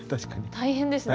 大変ですね。